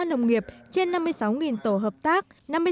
nông nghiệp trên năm mươi sáu tổ hợp tác